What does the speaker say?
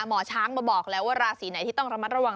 หมอช้างมาบอกแล้วว่าราศีไหนที่ต้องระมัดระวัง